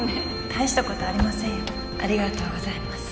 大したことありませんよ。